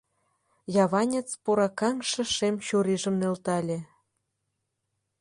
Яванец пуракаҥше шем чурийжым нӧлтале.